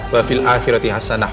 wafil akhirati hasanah